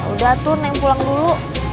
udah tuh neng pulang dulu